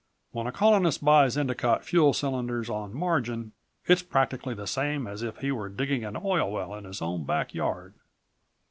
When a Colonist buys Endicott fuel cylinders on margin, it's practically the same as if he were digging an oil well in his own backyard."